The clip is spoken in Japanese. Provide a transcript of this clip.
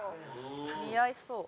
似合いそう。